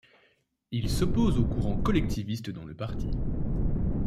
Il s'oppose aux courants collectivistes dans le parti.